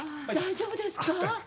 大丈夫ですか？